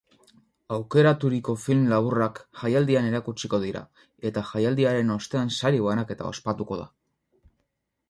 Aukeraturiko film laburrak jaialdian erakutsiko dira eta jaialdiaren ostean sari banaketa ospatuko da.